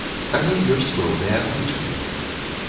Але ёсць пэўныя звычаі.